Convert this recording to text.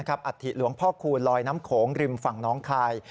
อัฐิหลวงพ่อคูณลอยน้ำโขงริมฝั่งน้องคาย